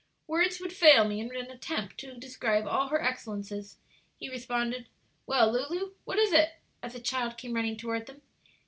"Words would fail me in an attempt to describe all her excellences," he responded. "Well, Lulu, what is it?" as the child came running toward them.